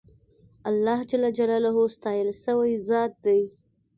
اللهﷻ ستایل سوی ذات دی.